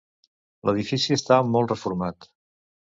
L'edifici està molt reformat.